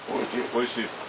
おいしいですか。